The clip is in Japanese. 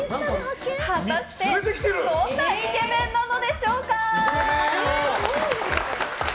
果たしてどんなイケメンなのでしょうか。